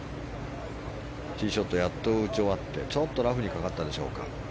ティーショットやっと打ち終わってちょっとラフにかかったでしょうか。